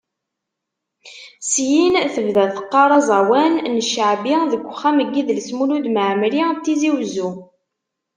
Syin tebda teqqar aẓawan n cceɛbi deg Uxxam n yidles Mulud Mɛemmeri n Tizi Uzzu.